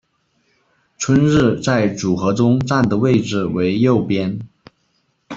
春日在组合中站的位置为右边。